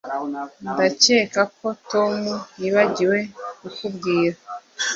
Ndakeka ko Tom yibagiwe kukubwira